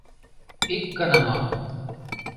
Ик гана мо!